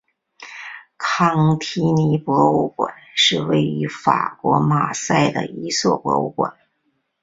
康提尼博物馆是位于法国马赛的一座博物馆。